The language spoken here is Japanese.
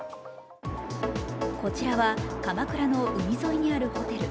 こちらは鎌倉の海沿いにあるホテル。